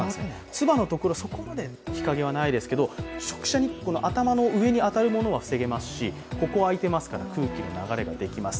つばのところ、そこまで日陰はないですけど直射日光の頭の上に当たるものは防げますし、ここ、空いてますから空気の流れができます。